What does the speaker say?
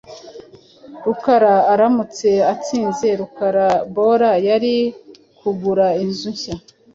Rukara aramutse atsinze rukara bola, yari kugura inzu nshya.